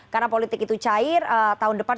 karena politik itu cair tahun depan